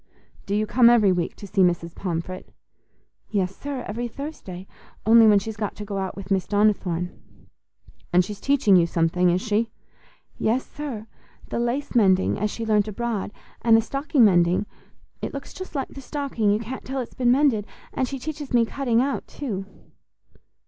"Do you come every week to see Mrs. Pomfret?" "Yes, sir, every Thursday, only when she's got to go out with Miss Donnithorne." "And she's teaching you something, is she?" "Yes, sir, the lace mending as she learnt abroad, and the stocking mending—it looks just like the stocking, you can't tell it's been mended; and she teaches me cutting out too."